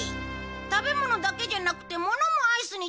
食べ物だけじゃなくてものもアイスにできるのか。